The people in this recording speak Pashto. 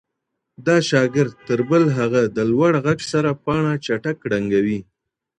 دا شاګرد تر بل هغه د لوړ ږغ سره پاڼه چټک ړنګوي.